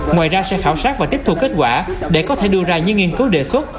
ngoài ra sẽ khảo sát và tiếp thu kết quả để có thể đưa ra những nghiên cứu đề xuất